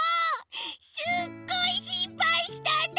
すっごいしんぱいしたんだから！